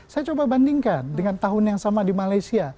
saya coba bandingkan dengan tahun yang sama di malaysia